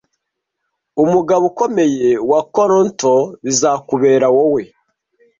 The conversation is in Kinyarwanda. Umugabo ukomeye wa Colter bizakubera wowe!